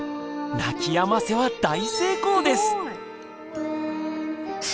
泣きやませは大成功です。